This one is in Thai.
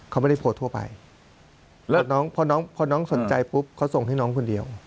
เขาไม่ได้โพสต์ทั่วไปแล้วพอน้องพอน้องสนใจปุ๊บเขาส่งให้น้องคนเดียว